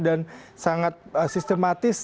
dan sangat sistematis